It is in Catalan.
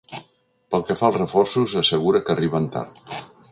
Pel que fa als reforços, assegura que arriben tard.